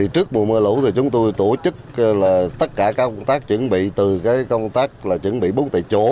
trước mùa mưa lũ chúng tôi tổ chức tất cả các công tác chuẩn bị từ công tác là chuẩn bị bốn tại chỗ